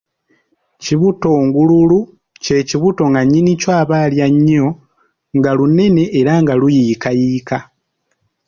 Kibutongululu kye kibuto nga nnyini kyo aba alya nnyo, nga lunene era nga luyiikayiika.